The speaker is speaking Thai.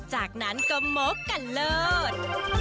จากนั้นก็มกกันเลิศ